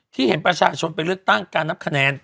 เห็นประชาชนไปเลือกตั้งการนับคะแนน